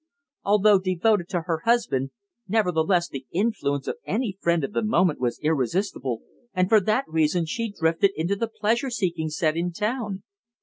Although devoted to her husband, nevertheless the influence of any friend of the moment was irresistible, and for that reason she drifted into the pleasure seeking set in town."